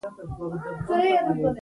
پر قومي سپين ږيرو د مرګ وبا ولګېدله.